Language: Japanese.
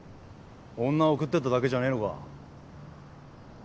女送ってっただけじゃねえのか？